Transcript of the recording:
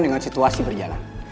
dengan situasi berjalan